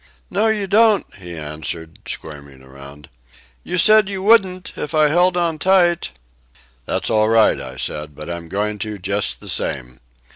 "No, you don't," he answered, squirming around. "You said you wouldn't if I held on tight." "That's all right," I said, "but I'm going to, just the same.